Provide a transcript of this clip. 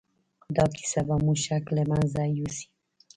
دا کيسه به مو شک له منځه يوسي.